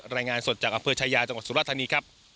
รายงานสดจากอำเภอชายาจังหวัดสุราธานีครับ